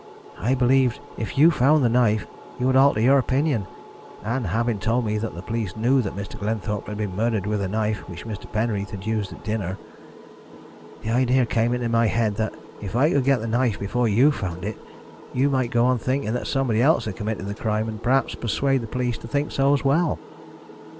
I believed if you found the knife you would alter your opinion, Ann having told me that the police knew that Mr. Glenthorpe had been murdered with a knife which Mr. Penreath had used at dinner. The idea came into my head that if I could get the knife before you found it, you might go on thinking that somebody else had committed the crime, and perhaps persuade the police to think so as well.